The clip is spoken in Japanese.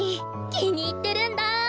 気に入ってるんだ。